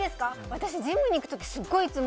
私、ジムに行く時すごいいつも